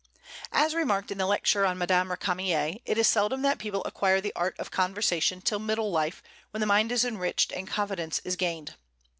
As remarked in the lecture on Madame Récamier, it is seldom that people acquire the art of conversation till middle life, when the mind is enriched and confidence is gained.